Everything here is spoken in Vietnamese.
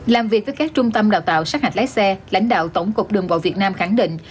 làm việc với các trung tâm đào tạo sát hạch lái xe lãnh đạo tổng cục đường bộ việt nam khẳng định